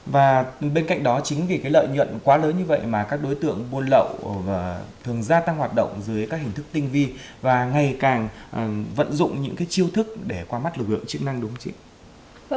và bên cạnh đó chính vì cái lợi nhuận quá lớn như vậy mà các đối tượng buôn lậu thường gia tăng hoạt động dưới các hình thức tinh vi và ngày càng vận dụng những cái chiêu thức để qua mắt lực lượng chức năng đúng không chị